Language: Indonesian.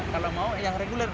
kalau mau ya reguler